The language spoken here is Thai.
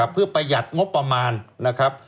เพื่อประหยัดงบประมาณ